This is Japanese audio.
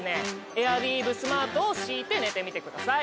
エアウィーヴスマートを敷いて寝てみてください